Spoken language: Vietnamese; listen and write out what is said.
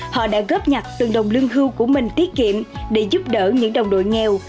họ đã góp nhặt từng đồng lương hưu của mình tiết kiệm để giúp đỡ những đồng đội nghèo